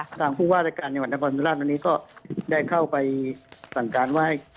ค่ะตามผู้ว่าจัดการในจังหวัดนครสิทธิ์ธรรมราชตอนนี้ก็ได้เข้าไปสั่งการว่าให้